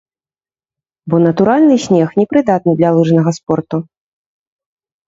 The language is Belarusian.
Бо натуральны снег не прыдатны для лыжнага спорту.